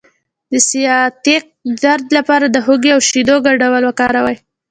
د سیاتیک درد لپاره د هوږې او شیدو ګډول وکاروئ